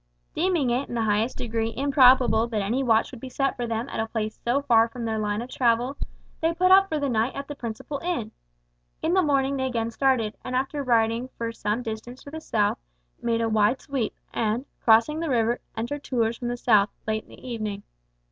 Deeming it in the highest degree improbable that any watch would be set for them at a place so far from their line of travel, they put up for the night at the principal inn. In the morning they again started, and after riding for some distance to the south, made a wide sweep, and crossing the river, entered Tours from the south, late in the evening.